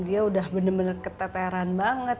dia sudah benar benar keteteran banget